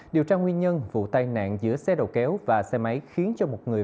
điều tra nguyên nhân vụ tai nạn giữa xe đầu kéo và xe máy khiến cho một người